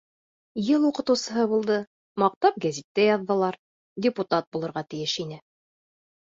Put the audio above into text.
Йыл уҡытыусыһы булды, маҡтап гәзиттә яҙҙылар, депутат булырға тейеш ине.